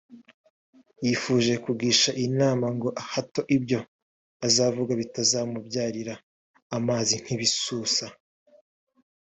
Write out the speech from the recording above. yifuje kugisha inama ngo hato ibyo azavuga bitazamubyarira amazi nk’ibisusa